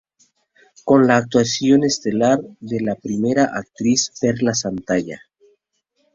Con la actuación estelar de la primera actriz Perla Santalla.